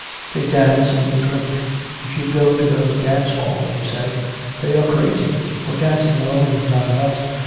They dance and they drink. If you go to those dance halls you say, 'They are crazy!' For dancing alone is not enough.